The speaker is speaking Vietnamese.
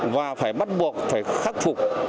và phải bắt buộc phải khắc phục